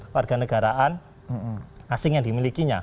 warga negaraan asing yang dimilikinya